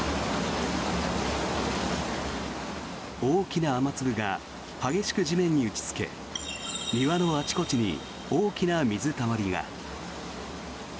大きな雨粒が激しく地面に打ちつけ庭のあちこちに大きな水たまりが。